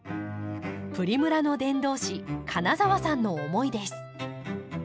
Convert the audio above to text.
プリムラの伝道師金澤さんの思いです。